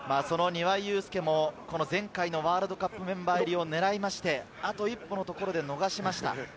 前回のワールドカップメンバー入りを狙いまして、あと一歩のところで逃しました。